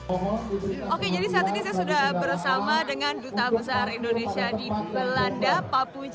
oke jadi saat ini saya sudah bersama dengan duta besar indonesia di belanda pak puji